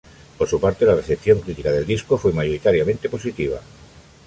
Por su parte, la recepción crítica del disco fue mayoritariamente positiva.